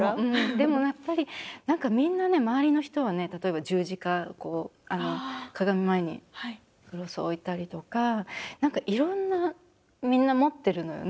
でもやっぱり何かみんなね周りの人はね例えば十字架鏡前にクロス置いたりとか何かいろんなみんな持ってるのよね。